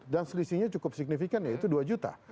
dan selisihnya cukup signifikan yaitu dua juta